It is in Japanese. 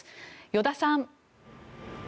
依田さん。